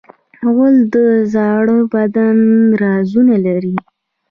غول د زاړه بدن رازونه لري.